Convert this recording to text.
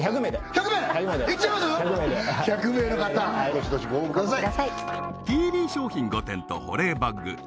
１００名ではい１００名の方どしどしご応募ください